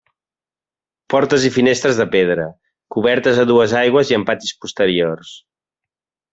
Portes i finestres de pedra, cobertes a dues aigües i amb patis posteriors.